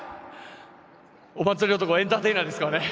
お祭り男エンターテイナーですからね。